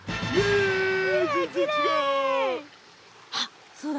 あっそうだ。